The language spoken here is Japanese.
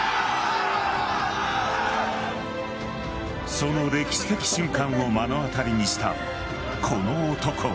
その歴史的瞬間を目の当たりにしたこの男は。